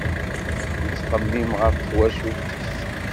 Yettxemmim ɣef twacult-is.